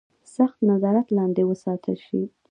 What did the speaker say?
سخت نظارت لاندې وساتل شي.